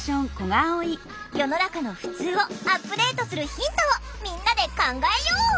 世の中の「ふつう」をアップデートするヒントをみんなで考えよう！